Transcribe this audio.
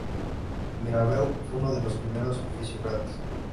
Mirabeau fue uno de los primeros fisiócratas.